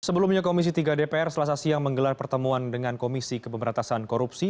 sebelumnya komisi tiga dpr selasa siang menggelar pertemuan dengan komisi pemberantasan korupsi